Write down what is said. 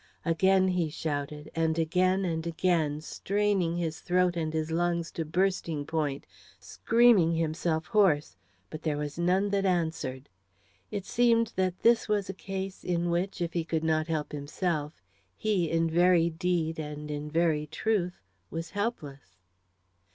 Again he shouted, and again and again, straining his throat and his lungs to bursting point, screaming himself hoarse, but there was none that answered. It seemed that this was a case in which, if he could not help himself, he, in very deed and in very truth, was helpless.